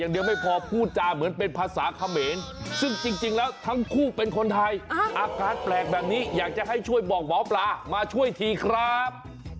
เนี่ยเขาเป็นมา๒ปีนะครับแบบนี้ครับ